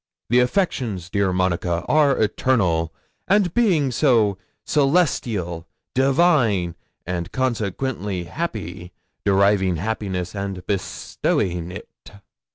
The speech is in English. The affections, dear Monica, are eternal; and being so, celestial, divine, and consequently happy, deriving happiness, and bestowing it."